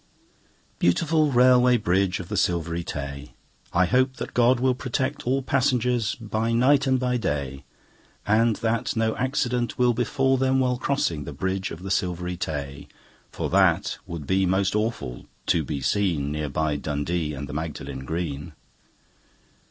Beautiful Railway Bridge of the Silvery Tay! I hope that God will protect all passengers By night and by day, And that no accident will befall them while crossing The Bridge of the Silvery Tay, For that would be most awful to be seen Near by Dundee and the Magdalen Green.